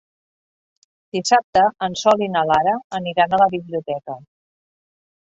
Dissabte en Sol i na Lara aniran a la biblioteca.